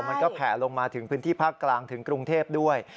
มันก็แผ่ลงมาถึงพื้นที่ภาคกลางถึงกรุงเทพด้วย